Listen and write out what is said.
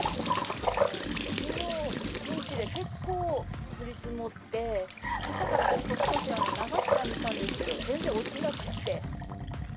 きのう一日で結構降り積もって、けさからちょっと少し流しては見たんですけど、全然落ちなくて。